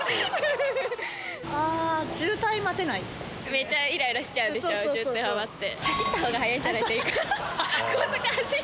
めっちゃイライラしちゃうでしょ渋滞はまって。